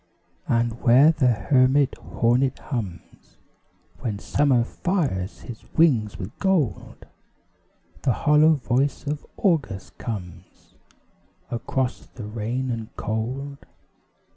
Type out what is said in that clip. And where the hermit hornet hums, When Summer fires his wings with gold, The hollow voice of August comes, Across the rain and cold.